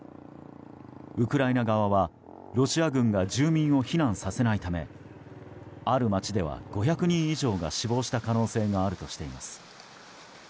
ウクライナ側は、ロシア軍が住民を避難させないためある町では５００人以上が死亡した可能性があるとしています。